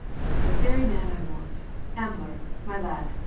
"The very man I want, Ambler, my lad!"